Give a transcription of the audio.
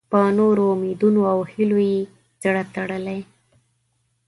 په نورو امیدونو او هیلو یې زړه تړلی.